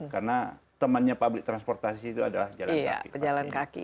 karena temannya public transportation itu adalah jalan kaki